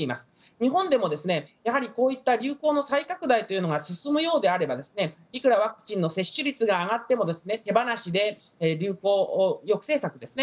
日本でも、やはりこういった流行の再拡大が進むようであればいくらワクチンの接種率が上がっても手放しで流行抑制策ですね。